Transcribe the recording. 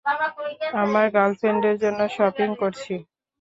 আমার গার্লফ্রেন্ডের জন্য শপিং করছি।